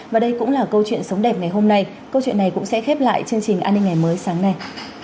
và đây cũng là câu chuyện sống đẹp ngày hôm nay câu chuyện này cũng sẽ khép lại chương trình an ninh ngày mới sáng nay